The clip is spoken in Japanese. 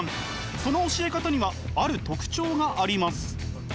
その教え方にはある特徴があります。